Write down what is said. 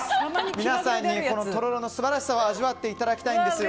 皆さんにこのとろろの素晴らしさを味わっていただきたいんです。